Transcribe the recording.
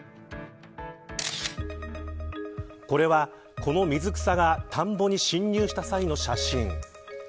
これは、この水草が田んぼに侵入した際の写真。